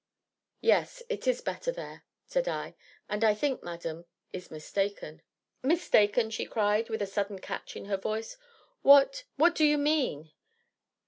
"Yes it is better there," said I, "and I think madam is mistaken." "Mistaken?" she cried, with a sudden catch in her voice, "what what do you mean?"